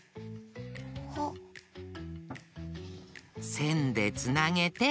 せんでつなげて。